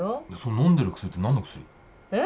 のんでる薬って何の薬？え？